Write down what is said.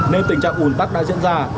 nên tình trạng ủn tắc đã diễn ra